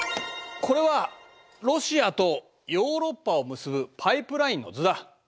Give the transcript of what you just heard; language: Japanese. これはロシアとヨーロッパを結ぶパイプラインの図だ。